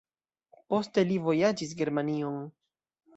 Poste li vojaĝis Germanion.